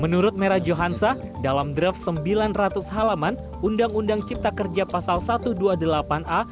menurut merah johansa dalam draft sembilan ratus halaman undang undang cipta kerja pasal satu ratus dua puluh delapan a